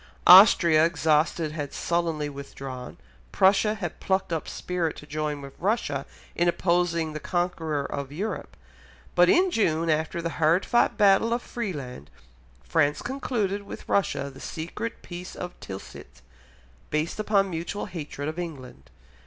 Austria, exhausted, had sullenly withdrawn, Prussia had plucked up spirit to join with Russia in opposing the conqueror of Europe, but in June, after the hard fought battle of Frieland, France concluded with Russia the secret Peace of Tilsit, based upon mutual hatred of England.